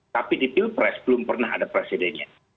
tapi di pilpres belum pernah ada presidennya